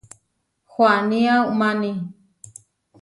Huanía umáni.